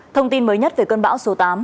thông tin mới nhất về cơn bão số tám